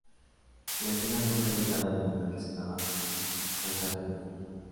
La escena no fue editada debido a que sonaba como un maltrato animal.